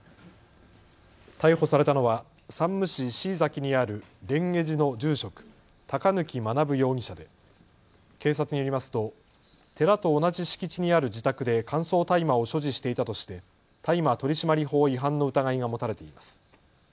逮捕されたのは山武市椎崎にある蓮華寺の住職、高貫学容疑者で警察によりますと寺と同じ敷地にある自宅で乾燥大麻を所持していたとして大麻取締法違反の疑いが持たれています。